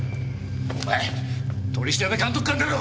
お前取調監督官だろ！